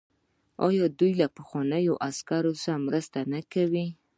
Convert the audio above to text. آیا دوی له پخوانیو عسکرو سره مرسته نه کوي؟